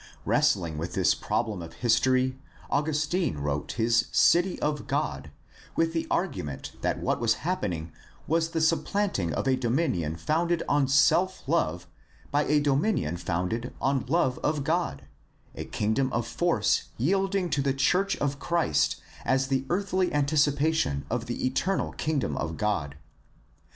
Wrestling with this problem of history, Augustine wrote his City of God with the argument that what was hap pening was the supplanting of a dominion founded on self love by a dominion founded on love of God, a kingdom of force yielding to the church of Christ as the earthly, anticipa tion of the eternal Kingdom of God.